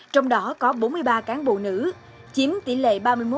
trong đó có bốn mươi ba cán bộ nữ chiếm tỷ lệ ba mươi một một mươi sáu